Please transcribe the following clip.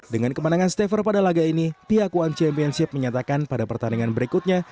dengan kemenangan staffer pada laga ini pihak one championship menyatakan pada pertandingan berikutnya